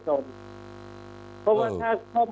เพราะว่าถ้าข้อมูลเนี่ยไม่เปิดเผยให้กับบริโภคเนี่ย